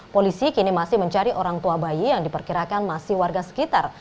polisi kini masih mencari orang tua bayi yang diperkirakan masih warga sekitar